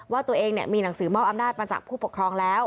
ว่าตัวเองมีหนังสือมอบอำนาจมาจากผู้ปกครองแล้ว